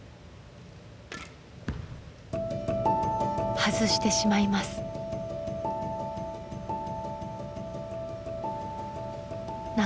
外してしまいます。